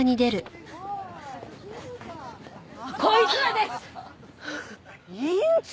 こいつらです！院長！